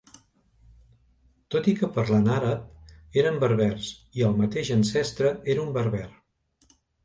Tot i que parlant àrab eren berbers i el mateix ancestre era un berber.